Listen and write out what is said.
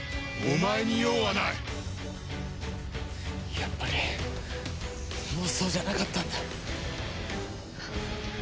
やっぱり妄想じゃなかったんだ。